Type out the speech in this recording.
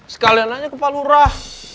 sekalian aja kepalu rah